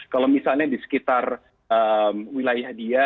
kalau misalnya di sekitar wilayah dia